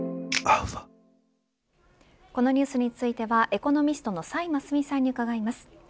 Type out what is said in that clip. このニュースについてはエコノミストの崔真淑さんに伺います。